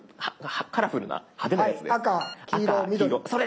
カラフルな派手なやつです。